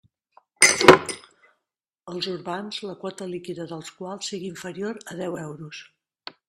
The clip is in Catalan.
Els urbans, la quota líquida dels quals sigui inferior a deu euros.